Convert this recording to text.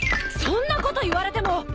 そんなこと言われても。